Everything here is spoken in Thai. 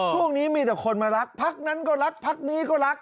ช่วงนี้มีแต่คนมารักพักนั้นก็รักพักนี้ก็รัก